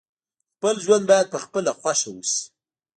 خپل ژوند باید په خپله خوښه وسي.